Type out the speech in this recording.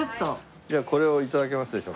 これを頂けますでしょうか。